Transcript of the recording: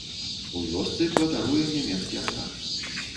У вёсцы кватаруе нямецкі атрад.